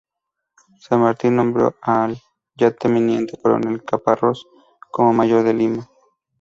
San Martín nombró al ya teniente coronel Caparrós como mayor de Lima.